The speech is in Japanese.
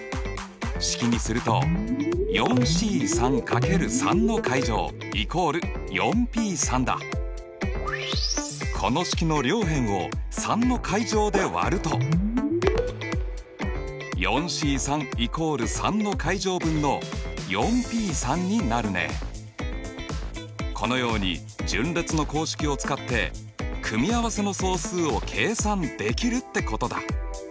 式にするとこの式の両辺を３の階乗で割るとこのように順列の公式を使って組合せの総数を計算できるってことだ。